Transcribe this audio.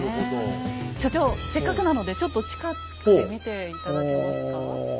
所長せっかくなのでちょっと近くで見て頂けますか？